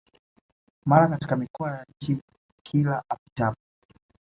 mara katika mikoa ya nchi Kila apitapo